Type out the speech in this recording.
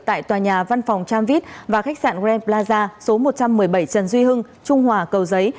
tại tòa nhà văn phòng tram vít và khách sạn grand plaza số một trăm một mươi bảy trần duy hưng trung hòa cầu giấy